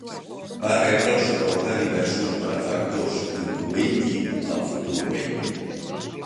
Va rebre el suport de diversos benefactors, incloent-hi el futur rei.